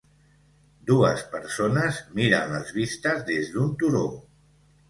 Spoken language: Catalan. Dues persones miren les vistes des d'un turó